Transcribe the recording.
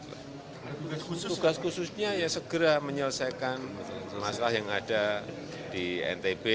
tugas khususnya ya segera menyelesaikan masalah yang ada di ntb